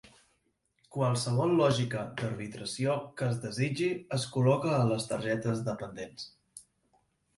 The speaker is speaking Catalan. Qualsevol lògica d'arbitració que es desitgi es col·loca a les targetes dependents.